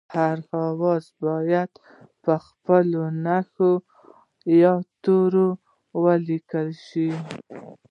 هر آواز باید په خپله نښه یا توري ولیکل شي